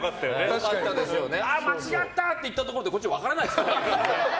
間違ったって言ったところでこっちは分からないですから。